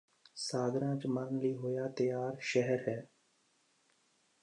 ਸਾਗਰਾਂ ਚ ਮਰਨ ਲਈ ਹੋਇਆ ਤਿਆਰ ਸ਼ਹਿਰ ਹੈ